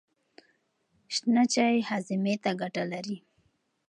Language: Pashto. شنه چای هاضمې ته ګټه لري.